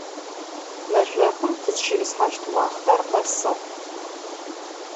Meş'okum tızşit'ısheşt vuaxhter khesığ.